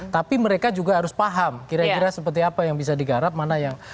tapi mereka juga harus paham kira kira seperti apa yang bisa digarap mana yang